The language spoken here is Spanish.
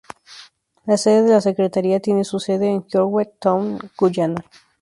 La sede de la secretaría tiene su sede en Georgetown, Guyana.